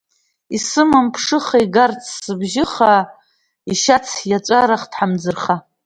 Исымам ԥшыха, игарц сыбжьы хаа, ишьац иаҵәарахт ҳамӡырха.